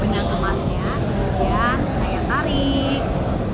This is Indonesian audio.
yang saya tarik